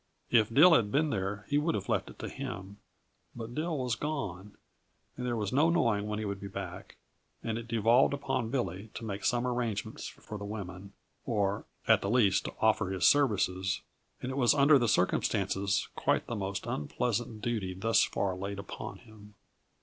If Dill had been there he would have left it to him; but Dill was gone, and there was no knowing when he would be back, and it devolved upon Billy to make some arrangements for the women, or at the least offer his services and it was, under the circumstances, quite the most unpleasant duty thus far laid upon him.